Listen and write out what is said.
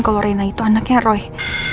kalau reina itu anaknya yang rekening